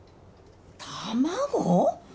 卵？